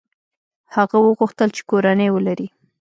هغه وغوښتل چې کورنۍ ولري.